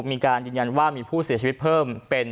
มีการยืนยันว่ามีผู้เสียชีวิตเพิ่มเป็น